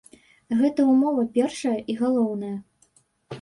Гэта ўмова першая і галоўная.